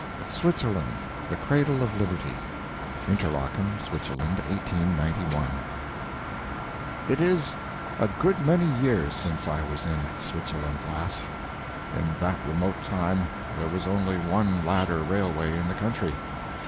SWITZERLAND, THE CRADLE OF LIBERTY Interlaken, Switzerland, 1891. It is a good many years since I was in Switzerland last. In that remote time there was only one ladder railway in the country.